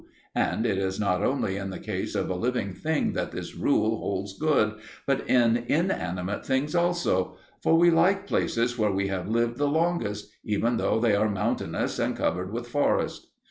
And it is not only in the case of a living thing that this rule holds good, but in inanimate things also; for we like places where we have lived the longest, even though they are mountainous and covered with forest.